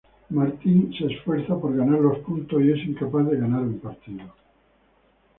Martin se esfuerza por ganar los puntos, y es incapaz de ganar un partido.